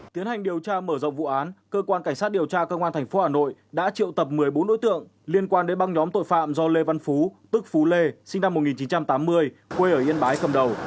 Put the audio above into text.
tiến hành điều tra mở rộng vụ án cơ quan cảnh sát điều tra công an tp hà nội đã triệu tập một mươi bốn đối tượng liên quan đến băng nhóm tội phạm do lê văn phú tức phú lê sinh năm một nghìn chín trăm tám mươi quê ở yên bái cầm đầu